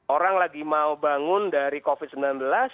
orang lagi mau bangun dari covid sembilan belas